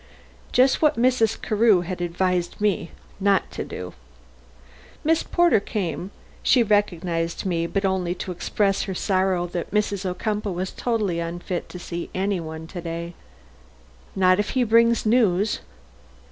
Just what Mrs. Carew had advised me not to do. Miss Porter came. She recognized me, but only to express her sorrow that Mrs. Ocumpaugh was totally unfit to see any one to day. "Not if he brings news?"